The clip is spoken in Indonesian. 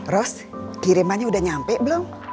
ros kirimannya udah nyampe belum